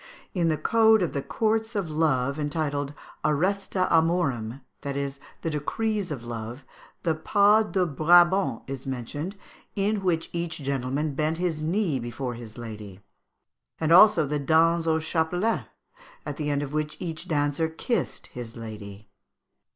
In the code of the Courts of Love, entitled "Arresta Amorum," that is, the decrees of love, the pas de Brabant is mentioned, in which each gentleman bent his knee before his lady; and also the danse au chapelet, at the end of which each dancer kissed his lady.